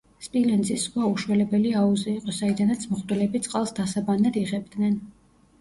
სპილენძის ზღვა უშველებელი აუზი იყო, საიდანაც მღვდლები წყალს დასაბანად იღებდნენ.